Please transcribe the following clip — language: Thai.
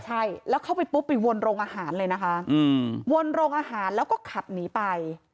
ใช่แล้วเข้าไปปุ๊บไปวนโรงอาหารเลยนะคะวนโรงอาหารแล้วก็ขับหนีไป